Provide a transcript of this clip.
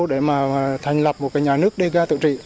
để mà thành lập một nhà nước đi ra tự trị